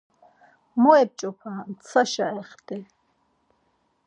Mo ep̌ç̌opa, ntsaşa exti.